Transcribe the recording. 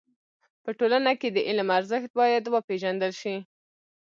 په ټولنه کي د علم ارزښت بايد و پيژندل سي.